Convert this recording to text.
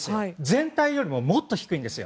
全体よりももっと低いです。